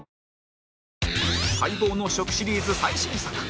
待望の食シリーズ最新作！